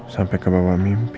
sampai ke bawah mimpi